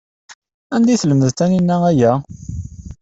Anda ay telmed Taninna aya?